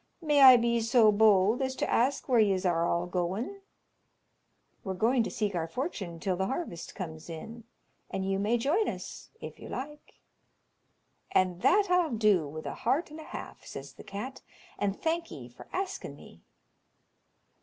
May I be so bold as to ask where yez are all going?" "We're going to seek our fortune till the harvest comes in, and you may join us if you like." "And that I'll do with a heart and a half," says the cat, "and thank 'ee for asking me."